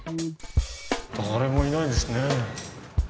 誰もいないですね。